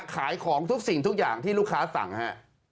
ขายของทุกสิ่งทุกอย่างที่ลูกค้าสั่งฮะ